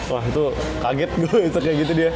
itu kaget gue kayak gitu dia